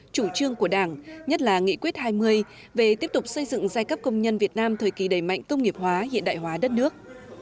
chủ trương của đảng nhất là nghị quyết hai mươi về tiếp tục xây dựng giai cấp công nhân việt nam thời kỳ đầy mạnh công nghiệp hóa hiện đại hóa đất nước